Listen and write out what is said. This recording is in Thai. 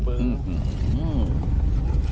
หือ